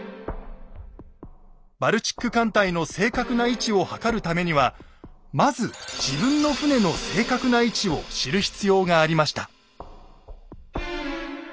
バルチック艦隊の正確な位置をはかるためにはまず自分の船の正確な位置を知る必要がありました。